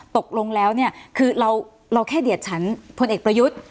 ตกลงแล้วเนี่ยคือเราแค่เดียดฉันพลเอกประยุทธ์